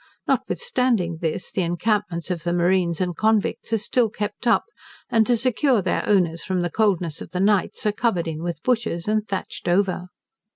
Notwithstanding this the encampments of the marines and convicts are still kept up; and to secure their owners from the coldness of the nights, are covered in with bushes, and thatched over.